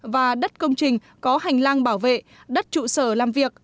và đất công trình có hành lang bảo vệ đất trụ sở làm việc